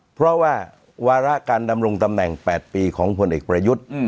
เพราะว่าวาระการดำรงตำแหน่ง๘ปีของผลเอกประยุทธ์